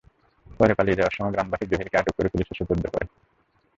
পরে পালিয়ে যাওয়ার সময় গ্রামবাসী জহিরকে আটক করে পুলিশে সোপর্দ করে।